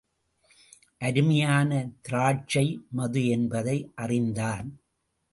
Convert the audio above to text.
அருமையான திராட்சை மது என்பதை அறிந்தான்.